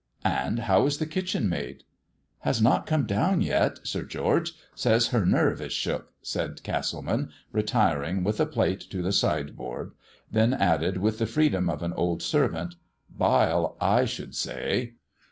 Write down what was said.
"And how is the kitchen maid?" "Has not come down yet, Sir George; says her nerve is shook," said Castleman, retiring with a plate to the sideboard; then added, with the freedom of an old servant, "Bile, I should say."